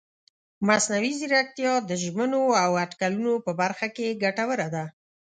مصنوعي ځیرکتیا د ژمنو او اټکلونو په برخه کې ګټوره ده.